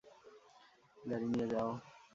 গাড়ি নিয়ে যাও!